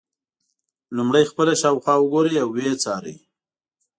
لومړی خپله شاوخوا وګورئ او ویې څارئ.